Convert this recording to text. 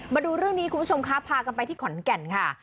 มาดูเรื่องนี้คุณผู้ชมคะพากันไปที่ขอนแก่นค่ะ